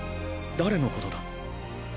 誰のことだ？